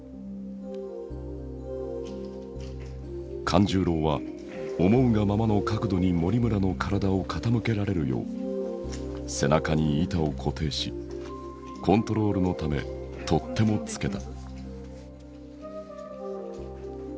勘十郎は思うがままの角度に森村の体を傾けられるよう背中に板を固定しコントロールのため取っ手も付けた。